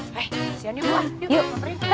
masih aja yuk lah yuk